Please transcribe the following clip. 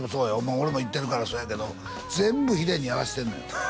俺も行ってるからそうやけど全部ヒデにやらしてんのよ